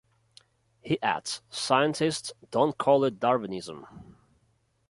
He adds, Scientists don't call it 'Darwinism'.